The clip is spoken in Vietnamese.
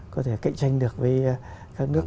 có thể cạnh tranh được với các nước